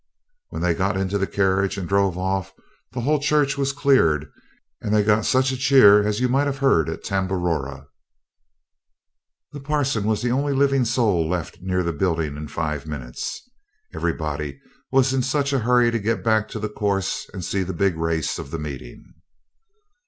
When they got into the carriage and drove off the whole church was cleared, and they got such a cheer as you might have heard at Tambaroora. The parson was the only living soul left near the building in five minutes. Everybody was in such a hurry to get back to the course and see the big race of the meeting.